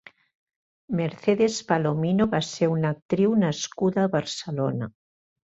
Mercedes Palomino va ser una actriu nascuda a Barcelona.